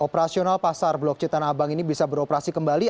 operasional pasar blok c tanah abang ini bisa beroperasi kembali